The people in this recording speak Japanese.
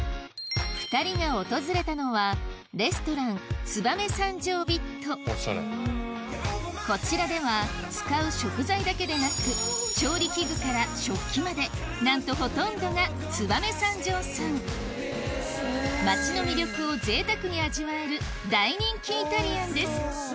２人が訪れたのはレストランこちらでは使う食材だけでなく調理器具から食器までなんとほとんどが燕三条産町の魅力をぜいたくに味わえる大人気イタリアンです